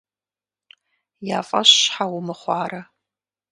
Я фӀэщ щхьэ умыхъуарэ?